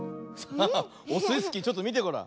ハハッオスイスキーちょっとみてごらん。